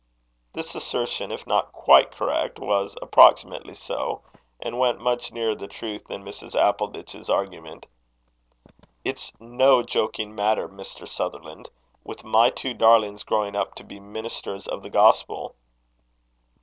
This assertion, if not quite correct, was approximately so, and went much nearer the truth than Mrs. Appleditch's argument. "It's no joking matter, Mr. Sutherland, with my two darlings growing up to be ministers of the gospel."